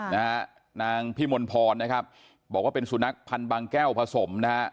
นางพี่มนพรนะครับบอกว่าเป็นสุนัขพันธ์บางแก้วผสมนะฮะ